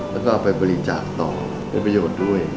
แล้วก็เอาไปบริจาคต่อเป็นประโยชน์ด้วย